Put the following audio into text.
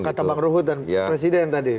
kata bang ruhut dan presiden tadi